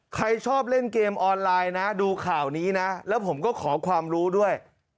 ใครชอบเล่นเกมออนไลน์นะดูข่าวนี้นะแล้วผมก็ขอความรู้ด้วย